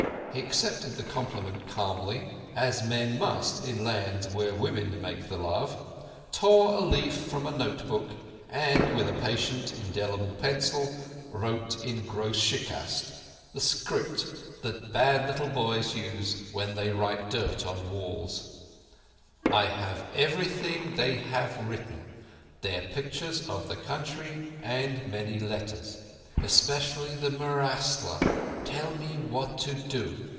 He accepted the compliment calmly, as men must in lands where women make the love, tore a leaf from a note book, and with a patent indelible pencil wrote in gross Shikast—the script that bad little boys use when they write dirt on walls: "_I have everything that they have written: their pictures of the country, and many letters. Especially the murasla. Tell me what to do.